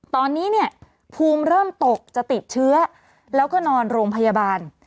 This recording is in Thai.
ตอนนี้เนี่ยภูมิเริ่มตกจะติดเชื้อแล้วก็นอนโรงพยาบาล